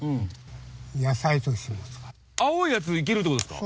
青いやついけるってことですか？